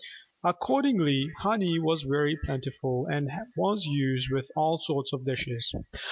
Accordingly honey was very plentiful, and was used with all sorts of dishes.